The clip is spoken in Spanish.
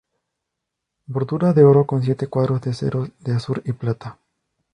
Bordura de oro con siete cuadros de ceros de azur y plata".